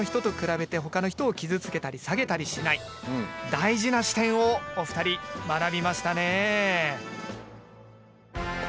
大事な視点をお二人学びましたね。